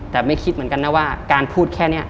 แต่ไม่คิดเหมือนกันนะว่าการพูดแค่นี้